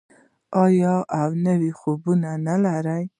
آیا او نوي خوبونه نلري؟